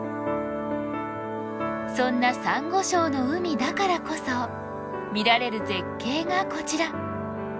そんなサンゴ礁の海だからこそ見られる絶景がこちら。